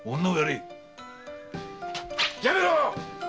（大やめろ！